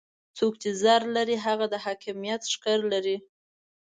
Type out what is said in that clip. څوک چې زر لري هغه د حاکميت ښکر لري.